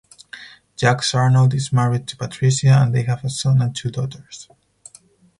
Jacques Arnold is married to Patricia, and they have a son and two daughters.